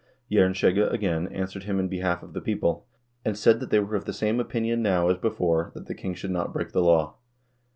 Jernskjegge again answered him in behalf of the people, and said that they were of the same opinion now as before, that the king should not break the law.